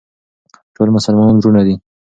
ټول مسلمانان وروڼه دي.